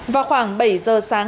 vào khoảng bảy giờ sáng